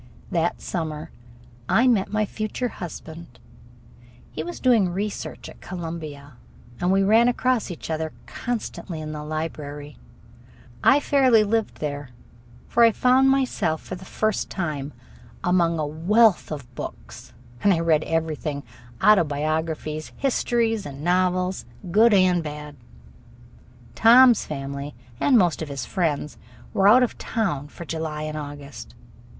That summer I met my future husband. He was doing research work at Columbia, and we ran across each other constantly in the library. I fairly lived there, for I found myself, for the first time, among a wealth of books, and I read everything autobiographies, histories, and novels good and bad. Tom's family and most of his friends were out of town for July and August.